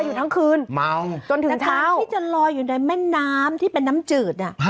อยู่ทั้งคืนเมาจนถึงเช้าที่จะลอยอยู่ในแม่น้ำที่เป็นน้ำจืด